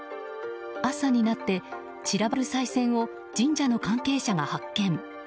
朝になって、散らばるさい銭を神社の関係者が発見。